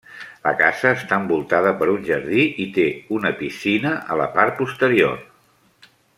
La casa està envoltada per un jardí i té una piscina a la part posterior.